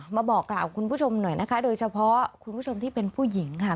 มาบอกกล่าวคุณผู้ชมหน่อยนะคะโดยเฉพาะคุณผู้ชมที่เป็นผู้หญิงค่ะ